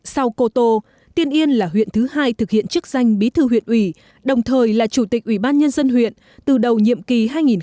sau cô tô tiên yên là huyện thứ hai thực hiện chức danh bí thư huyện ủy đồng thời là chủ tịch ủy ban nhân dân huyện từ đầu nhiệm kỳ hai nghìn một mươi sáu hai nghìn hai mươi